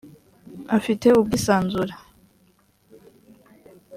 afite ubwisanzure .